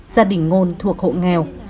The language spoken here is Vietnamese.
gia đình ngôn thuộc hộ nghèo